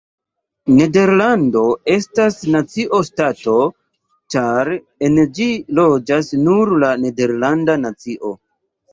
Nederlando estas nacio-ŝtato ĉar en ĝi loĝas nur la nederlanda nacio.